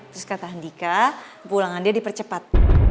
terus kata andika pulangan dia dipercepat